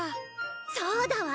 そうだわ！